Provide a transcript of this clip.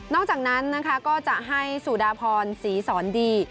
นอกจากนั้นก็จะให้สุดาพรศรีสอนดี